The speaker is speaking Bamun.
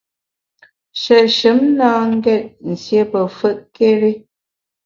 Shéshùm na ngét nsié pe fùtkéri.